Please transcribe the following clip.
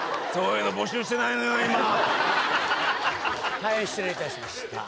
はい失礼いたしました。